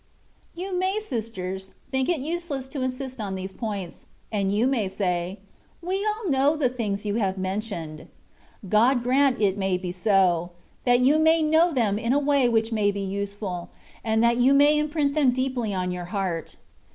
You may, sisters, think it useless to insist on these points ; and you may say :" We all know the things you have mentioned." God grant it may be so — that you may know them in a way which may be useful, and that you may imprint them deeply on your heart.